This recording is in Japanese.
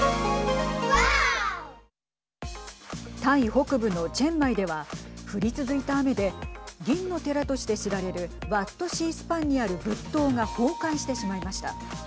タイ北部のチェンマイでは降り続いた雨で銀の寺として知られるワット・シースパンにある仏塔が崩壊してしまいました。